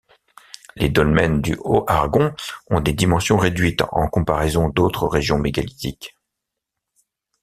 Les dolmens du Haut-Aragon ont des dimensions réduites en comparaison d'autres régions mégalithiques.